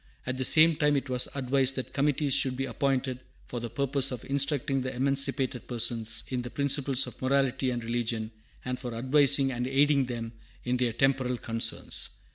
At the same time it was advised that committees should be appointed for the purpose of instructing the emancipated persons in the principles of morality and religion, and for advising and aiding them in their temporal concerns.